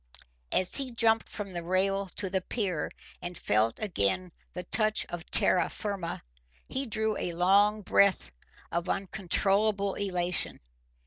As he jumped from the rail to the pier and felt again the touch of terra firma he drew a long breath of uncontrollable elation.